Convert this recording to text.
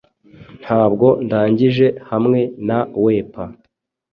Ntabwo ndangije hamwe na wepa